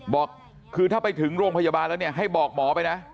บอกคือถ้าไปถึงโรงพยาบาลแล้วเนี่ยให้บอกหมอไปนะ